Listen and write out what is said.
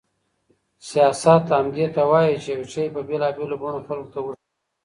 سیاست همدې ته وایي چې یو شی په بېلابېلو بڼو خلکو ته وښيي.